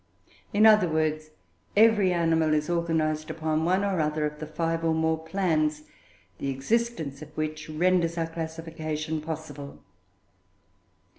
In other words, every animal is organised upon one or other of the five, or more, plans, the existence of which renders our classification possible.